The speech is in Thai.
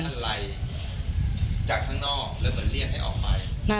อะไรจากข้างนอกแล้วเหมือนเรียกให้ออกไป